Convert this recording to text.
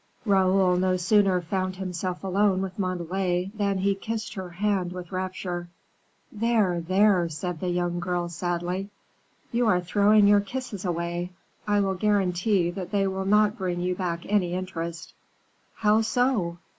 Raoul no sooner found himself alone with Montalais, than he kissed her hand with rapture. "There, there," said the young girl, sadly, "you are throwing your kisses away; I will guarantee that they will not bring you back any interest." "How so?